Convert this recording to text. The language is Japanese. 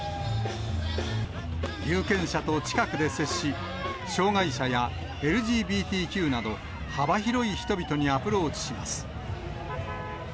有権者と近くで接し、障がい者やＬＧＢＴＱなど、幅広い人々にアプローチします。